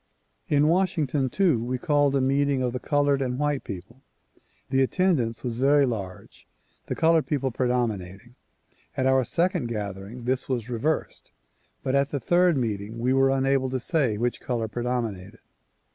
In Washington too, we called a meeting of the colored and white people. The attendance was very large, the colored people predom inating. At our second gathering this was reversed but at the third meeting we were unable to say which color predominated.